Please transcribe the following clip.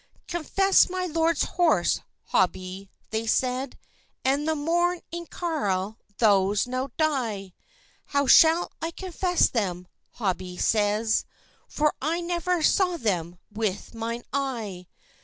"Confess my lord's horse, Hobie," they said, "And the morn in Carlisle thou's no die;" "How shall I confess them," Hobie says, "For I never saw them with mine eye?"